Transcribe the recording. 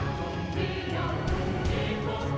ทั้งที่สุดท้าย